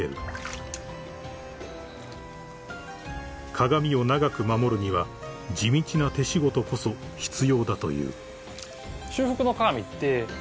［鏡を長く守るには地道な手仕事こそ必要だという］